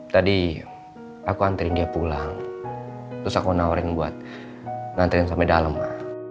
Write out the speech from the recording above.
tadi aku anterin dia pulang terus aku nawarin buat nganterin sampai dalem ma